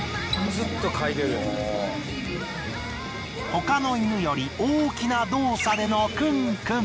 他の犬より大きな動作でのクンクン。